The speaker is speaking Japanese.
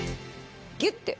ギュッて。